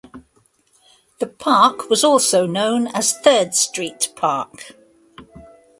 The park was also known as Third Street Park.